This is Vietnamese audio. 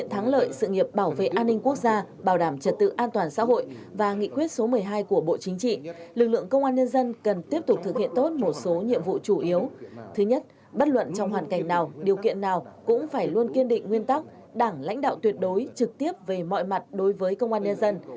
trong hoàn cảnh nào điều kiện nào cũng phải luôn kiên định nguyên tắc đảng lãnh đạo tuyệt đối trực tiếp về mọi mặt đối với công an nhà dân